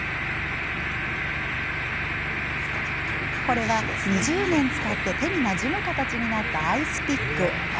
これは、２０年使って手になじむ形になったアイスピック。